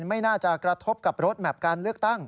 ไม่น่าจะกระทบกับรถแมพการเลือกตั้ง